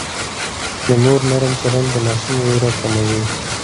د مور نرم چلند د ماشوم وېره کموي.